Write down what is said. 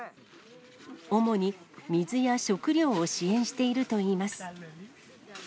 主に水や食料を支援しているといいます。